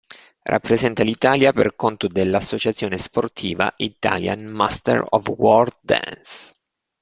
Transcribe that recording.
Rappresenta l'Italia per conto della associazione sportiva Italian Masters of World Dance.